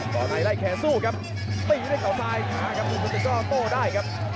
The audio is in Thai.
ต่อไหนไล่แขสู้ครับตีด้วยข่าวซ้ายน่ากับมุมตึกโจ้โต้ได้ครับ